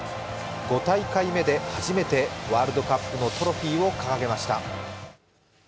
５大会目で初めてワールドカップのトロフィーを掲げました。